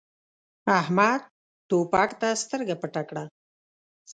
احمد توپک ته سترګه پټه کړه.